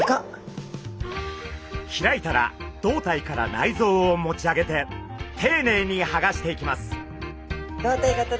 開いたら胴体から内臓を持ち上げてていねいにはがしていきます。